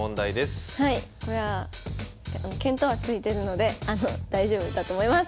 これは見当はついてるので大丈夫だと思います。